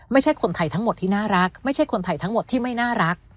ไม่ใช่คนไทยทั้งหมดที่น่ารักไม่ใช่คนไทยทั้งหมดที่ไม่น่ารัก